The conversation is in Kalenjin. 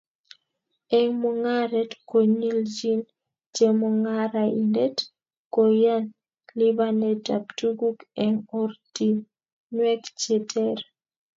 Eng mungaret konyoljin chemungaraindet kooyan lipanetab tuguk eng ortinwek che ter